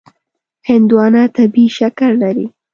هندوانه طبیعي شکر لري.